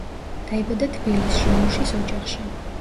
დაიბადა თბილისში, მუშის ოჯახში.